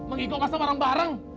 ini kok masa bareng bareng